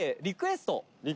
「リクエスト」